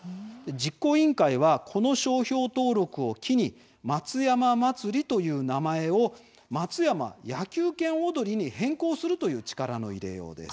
実行委員会はこの商標登録を機に松山まつりという名前を松山野球拳おどりに変更するという力の入れようです。